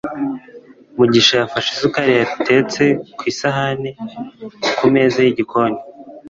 mugisha yafashe isukari yatetse ku isahani kumeza yigikoni